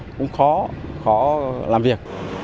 cũng khó khó làm việc